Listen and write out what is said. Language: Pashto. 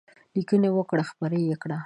لیکنې وکړه خپرې یې کړه.